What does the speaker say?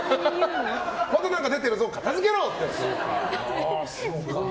また何か出てるぞ、片付けろって。